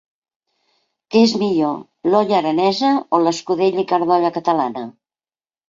Què és millor, l'olla aranesa o l'escudella i carn d'olla catalana?